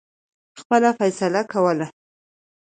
خپله فیصله کوله.